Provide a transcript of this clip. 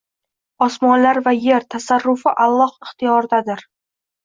Osmonlar va yer tasarrufi Alloh ixtiyoridadir.